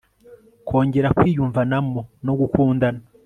kongera kwiyumvanamo no gukundana